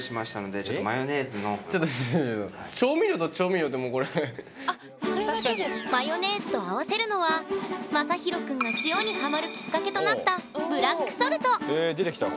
マヨネーズと合わせるのはまさひろくんが塩にハマるきっかけとなったブラックソルト！へ出てきた